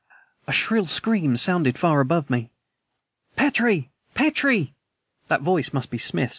.. A shrill scream sounded far above me! "Petrie! Petrie!" (That voice must be Smith's!)